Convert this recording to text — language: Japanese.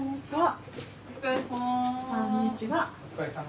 お疲れさま。